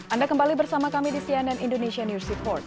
anda kembali bersama kami di cnn indonesia news report